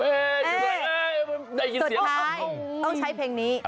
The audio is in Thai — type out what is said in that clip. สุดท้ายต้องใช้เพลงนี้